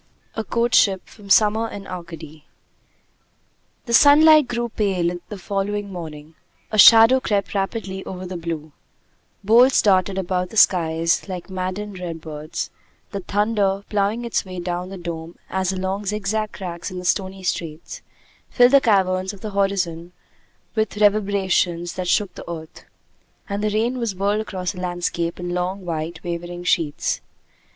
A COURTSHIP From 'Summer in Arcady' The sunlight grew pale the following morning; a shadow crept rapidly over the blue; bolts darted about the skies like maddened redbirds; the thunder, ploughing its way down the dome as along zigzag cracks in the stony street, filled the caverns of the horizon with reverberations that shook the earth; and the rain was whirled across the landscape in long, white, wavering sheets.